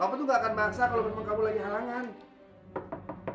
aku tuh gak akan maksa kalau bila bila kamu lagi halangan